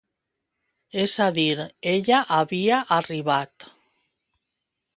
És a dir, ella havia arribat.